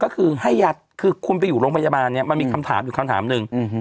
ก็คือให้ยาคือคุณไปอยู่โรงพยาบาลเนี่ยมันมีคำถามอยู่คำถามหนึ่ง